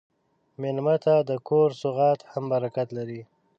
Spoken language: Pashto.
مېلمه ته د کور سوغات هم برکت لري.